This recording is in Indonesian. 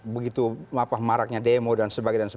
begitu maraknya demo dan sebagainya